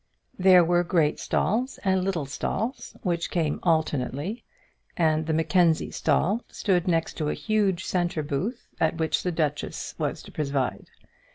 There were great stalls and little stalls, which came alternately; and the Mackenzie stall stood next to a huge centre booth at which the duchess was to preside.